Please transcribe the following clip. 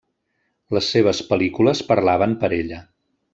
Les seves pel·lícules parlaven per ella.